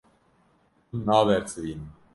Hûn nabersivînin.